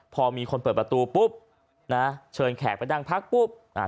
พอมีคนเปิดประตูปุ๊บนะเชิญแขกไปนั่งพักปุ๊บอ่า